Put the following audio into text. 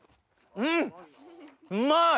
うんうまい！